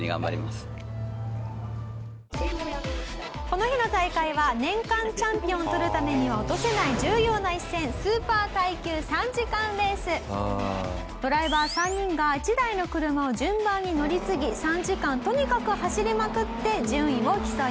この日の大会は年間チャンピオンを取るためには落とせない重要な一戦ドライバー３人が１台の車を順番に乗り継ぎ３時間とにかく走りまくって順位を競います。